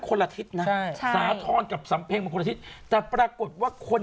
คนละทิสนะใช่สาธอรกับสำเพงที่จะประกฏว่าคน